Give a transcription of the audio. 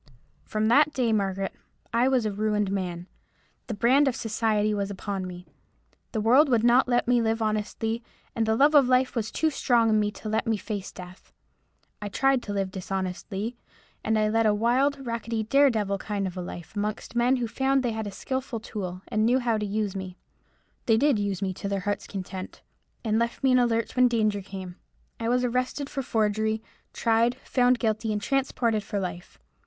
"From that day, Margaret, I was a ruined man. The brand of society was upon me. The world would not let me live honestly, and the love of life was too strong in me to let me face death. I tried to live dishonestly, and I led a wild, rackety, dare devil kind of a life, amongst men who found they had a skilful tool, and knew how to use me. They did use me to their heart's content, and left me in the lurch when danger came. I was arrested for forgery, tried, found guilty, and transported for life.